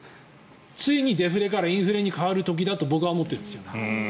ついにデフレからインフレに変わる時だと僕は思ってるんですよ。